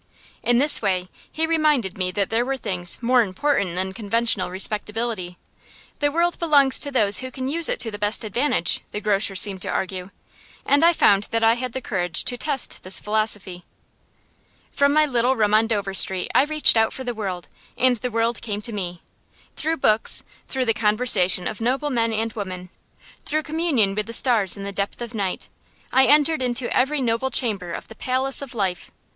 In this way he reminded me that there were things more important than conventional respectability. The world belongs to those who can use it to the best advantage, the grocer seemed to argue; and I found that I had the courage to test this philosophy. From my little room on Dover Street I reached out for the world, and the world came to me. Through books, through the conversation of noble men and women, through communion with the stars in the depth of night, I entered into every noble chamber of the palace of life.